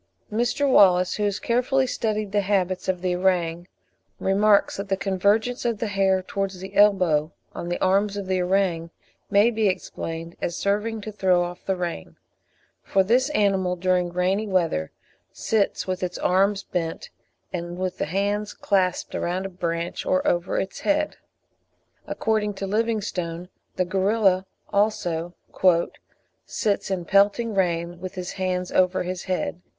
Mr. Wallace, who has carefully studied the habits of the orang, remarks that the convergence of the hair towards the elbow on the arms of the orang may be explained as serving to throw off the rain, for this animal during rainy weather sits with its arms bent, and with the hands clasped round a branch or over its head. According to Livingstone, the gorilla also "sits in pelting rain with his hands over his head."